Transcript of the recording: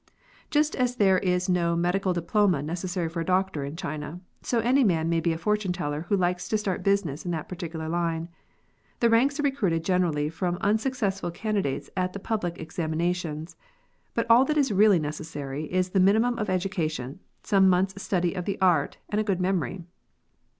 Just as there is no medical diploma necessary for a doctor in China, so any man may be a fortune teller who likes to start business in that particular line. The ranks are recruited generally from unsuccessful candidates at the public examina tions ; but all that is really necessary is the minimum of education, some months' study of the art, and a good memory.